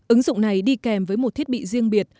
ứng dụng này đi kèm với một thiết bị riêng biệt